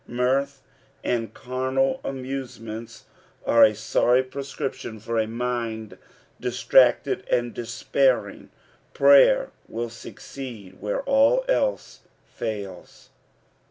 Mirth and carnal amuso> ments are a sorry prescription for a mind distracted and despairing : prayer will succeed wliere aUelae fails.